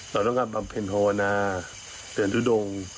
เราต้องการปรับเห็นภาวนาเดือนธุดง